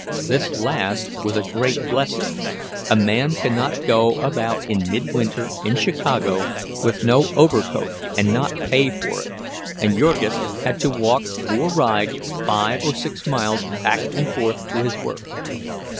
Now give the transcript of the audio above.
This last was a great blessing. A man cannot go about in midwinter in Chicago with no overcoat and not pay for it, and Jurgis had to walk or ride five or six miles back and forth to his work.